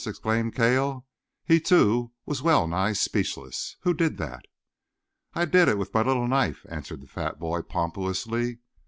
exclaimed Cale. He, too, was well nigh speechless. "Who did that?" "I did it with my little knife," answered the fat boy pompously.